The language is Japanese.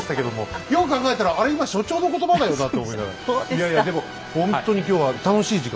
いやいやでもほんとに今日は楽しい時間でした。